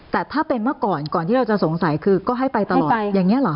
แต่ถ้าเป็นเมื่อก่อนก่อนที่เราจะสงสัยคือก็ให้ไปตลอด